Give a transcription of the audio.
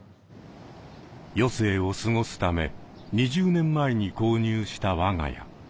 余生を過ごすため２０年前に購入した我が家。